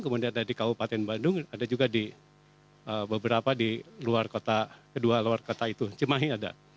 kemudian ada di kabupaten bandung ada juga di beberapa di luar kota kedua luar kota itu cimahi ada